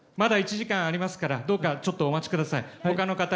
まだ１時間ありますから、どうか、ちょっとお待ちください。